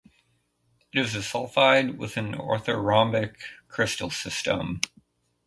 It is a sulfide with an orthorhombic crystal system.